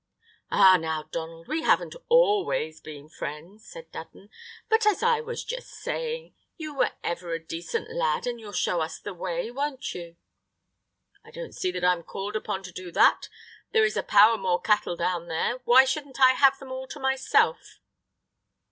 "Ah now, Donald, we haven't always been friends," said Dudden, "but, as I was just saying, you were ever a decent lad, and you'll show us the way, won't you?" "I don't see that I'm called upon to do that; there is a power more cattle down there. Why shouldn't I have them all to myself?"